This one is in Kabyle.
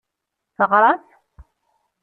Teɣṛam?